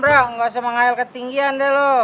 tahun ini gue bakal ikutan